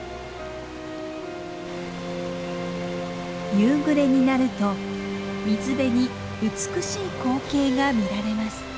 夕暮れになると水辺に美しい光景が見られます。